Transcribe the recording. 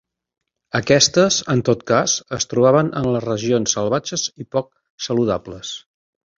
Aquestes en tot cas es trobaven en les regions salvatges i poc saludables.